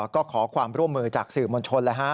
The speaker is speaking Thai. ก็ขอความร่วมมือจากสื่อมวลชน